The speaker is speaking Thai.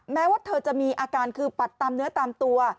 แม้ว่าเธอจะมีอาการคือปัดตามเนื้อตามตัว